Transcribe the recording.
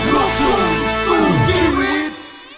รบทุนสู่ชีวิต